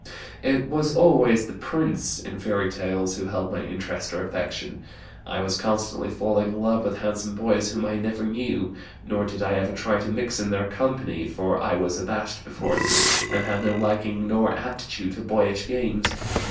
"It was always the prince, in fairy tales, who held my interest or affection. I was constantly falling in love with handsome boys whom I never knew; nor did I ever try to mix in their company, for I was abashed before them, and had no liking nor aptitude for boyish games.